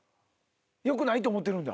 良くないと思ってるんだ。